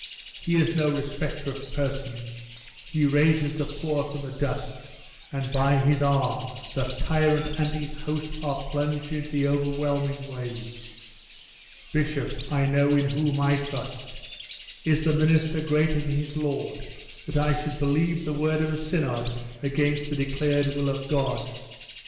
He is no respecter of persons; he raises the poor from the dust; and by his arm the tyrant and his host are plunged into the whelming waves! Bishop, I know in whom I trust. Is the minister greater than his lord, that I should believe the word of a synod against the declared will of God?